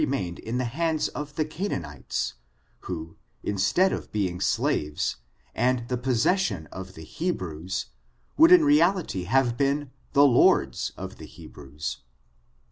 127 mained in the hands of the Canaanites, who, instead of being slaves, and the possession of the Hebrews, would in reality have been the lords of the Hebrews.